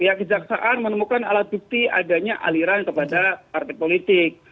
pihak kejaksaan menemukan alat bukti adanya aliran kepada partai politik